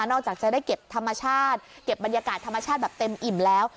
จากจะได้เก็บธรรมชาติเก็บบรรยากาศธรรมชาติแบบเต็มอิ่มแล้ว